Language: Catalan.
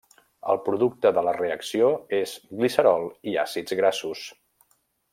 El producte de la reacció és glicerol i àcids grassos.